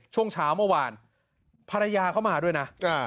ช่วงเช้าเมื่อวานภรรยาเขามาด้วยนะ